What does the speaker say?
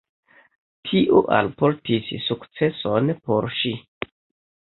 Tio alportis sukceson por ŝi.